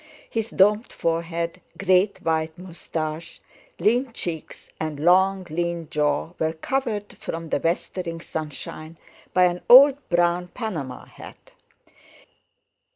His domed forehead, great white moustache, lean cheeks, and long lean jaw were covered from the westering sunshine by an old brown Panama hat.